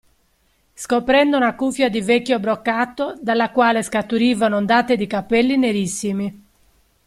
Scoprendo una cuffia di vecchio broccato dalla quale scaturivano ondate di capelli nerissimi.